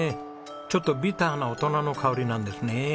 ちょっとビターな大人の香りなんですね。